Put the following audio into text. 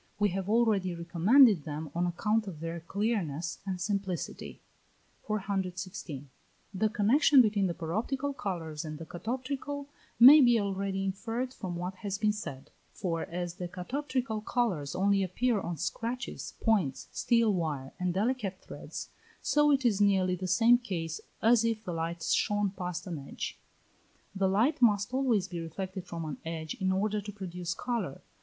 We have already recommended them on account of their clearness and simplicity. 416. The connexion between the paroptical colours and the catoptrical may be already inferred from what has been said: for as the catoptrical colours only appear on scratches, points, steel wire, and delicate threads, so it is nearly the same case as if the light shone past an edge. The light must always be reflected from an edge in order to produce colour.